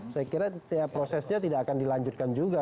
saya kira prosesnya tidak akan dilanjutkan juga